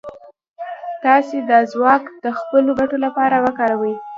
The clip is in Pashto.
تاسې دا ځواک د خپلو ګټو لپاره وکاروئ.